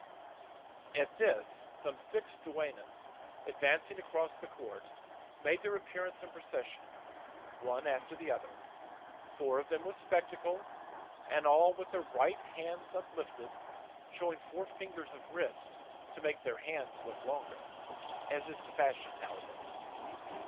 At this some six duennas, advancing across the court, made their appearance in procession, one after the other, four of them with spectacles, and all with their right hands uplifted, showing four fingers of wrist to make their hands look longer, as is the fashion now a days.